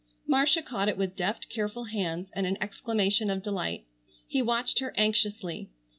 Marcia caught it with deft careful hands and an exclamation of delight. He watched her anxiously.